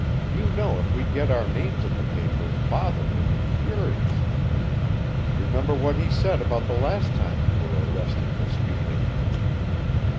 "You know if we get our names in the paper father will be furious. Remember what he said about the last time you were arrested for speeding."